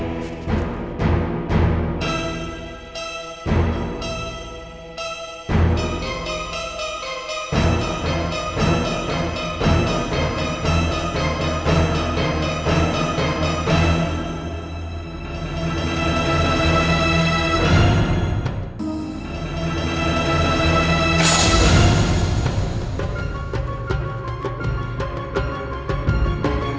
kau sudah menguburkan seorang ular hidup